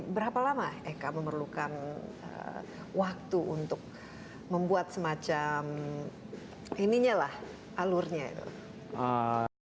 berapa lama eka memerlukan waktu untuk membuat semacam ininya lah alurnya itu